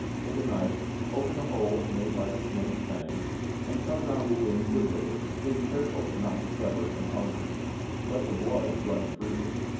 With a knife, open the holes made by the snake's fangs and cut around the wound liberally, being careful not to sever an artery. Let the blood run freely.